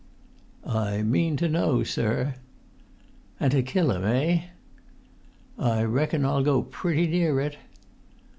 "I mean to know, sir." "And to kill him—eh?" "I reckon I'll go pretty near it."